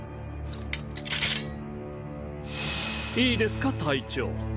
いいですか隊長